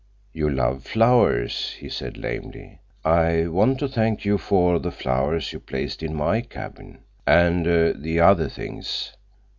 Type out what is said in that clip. "You love flowers," he said lamely. "I want to thank you for the flowers you placed in my cabin. And the other things."